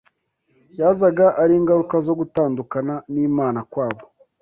yazaga ari ingaruka zo gutandukana n’Imana kwabo